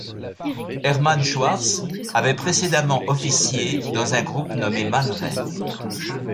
Hermann Schwartz avait précédemment officié dans un groupe nommé Man Ray.